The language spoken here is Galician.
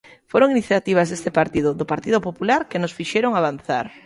Foron iniciativas deste partido, do Partido Popular, que nos fixeron avanzar.